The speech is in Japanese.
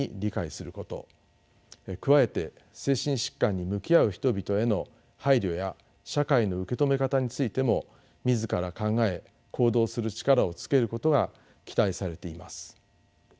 加えて精神疾患に向き合う人々への配慮や社会の受け止め方についても自ら考え行動する力をつけることが期待されています。